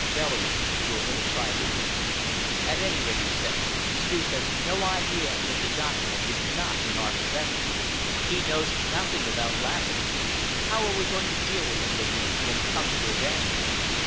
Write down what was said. Bellamy drew a little sigh of relief. "At any rate," he said, "Streuss has no idea that the document is not in our possession. He knows nothing about Laverick. How are we going to deal with him, Louise, when he comes for his answer?"